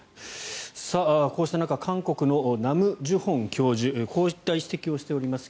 こうした中韓国のナム・ジュホン教授はこういった指摘をしております。